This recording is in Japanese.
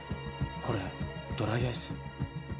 これドライアイス。